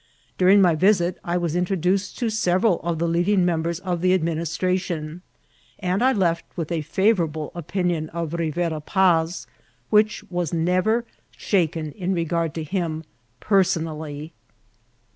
During my visit I was introduced to several of the lead ing members of the administration, and I left with a feivourable opinion of Rivera Paz, which was never sha ken in regard to him personally.